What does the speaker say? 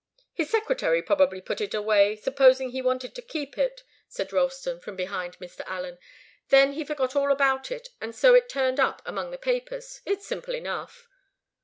"His secretary probably put it away, supposing he wanted to keep it," said Ralston, from behind Mr. Allen. "Then he forgot all about it, and so it turned up among the papers. It's simple enough."